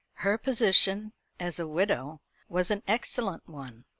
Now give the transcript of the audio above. Her position, as a widow, was an excellent one.